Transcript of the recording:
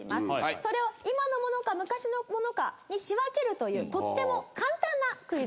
それを今のものか昔のものかに仕分けるというとっても簡単なクイズ。